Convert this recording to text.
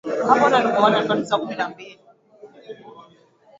Baadaye kisiwa hicho kiliwekwa chini ya utawala wa Wajerumani